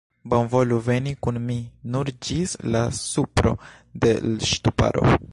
Bonvolu veni kun mi, nur ĝis la supro de l' ŝtuparo.